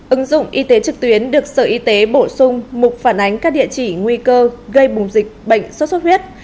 ứng dụng y tế trực tuyến được sở y tế bổ sung mục phản ánh các địa chỉ nguy cơ gây bùng dịch bệnh sốt xuất huyết